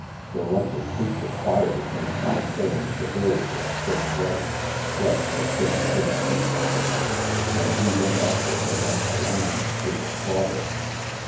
The lovely creature quieted him by saying the bill was just right (bless her pretty pigs' feet appetite), and he went oif with her like a lamb to the slaughter.